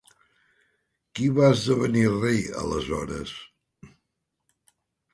Qui va esdevenir rei aleshores?